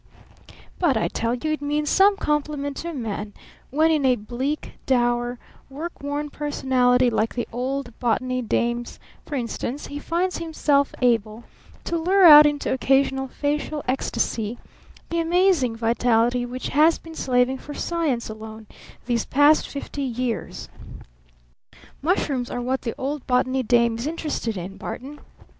But I tell you it means some compliment to a man when in a bleak, dour, work worn personality like the old Botany dame's for instance he finds himself able to lure out into occasional facial ecstasy the amazing vitality which has been slaving for Science alone these past fifty years. Mushrooms are what the old Botany dame is interested in, Barton.